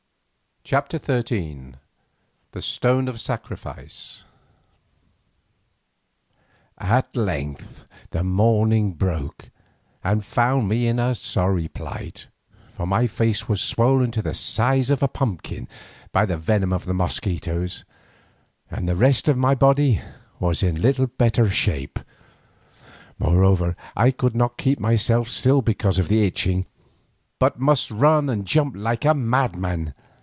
CHAPTER XIII THE STONE OF SACRIFICE At length the morning broke and found me in a sorry plight, for my face was swollen to the size of a pumpkin by the venom of the mosquitoes, and the rest of my body was in little better case. Moreover I could not keep myself still because of the itching, but must run and jump like a madman.